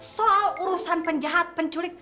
soal urusan penjahat penculik